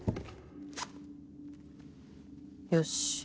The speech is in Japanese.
よし。